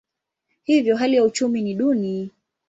Hivyo hali ya uchumi ni duni.